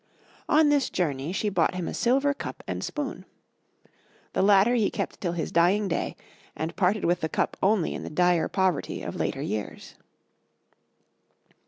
On this journey she bought him a silver cup and spoon. The latter he kept till his dying day, and parted with the cup only in the dire poverty of later years.